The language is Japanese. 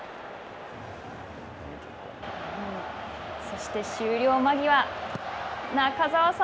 そして、終了間際。